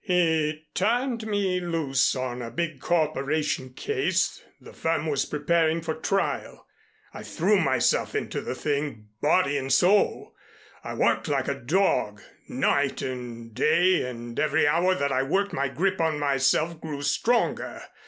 "He turned me loose on a big corporation case the firm was preparing for trial. I threw myself into the thing, body and soul. I worked like a dog night and day, and every hour that I worked my grip on myself grew stronger.